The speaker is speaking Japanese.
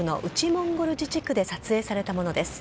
モンゴル自治区で撮影されたものです。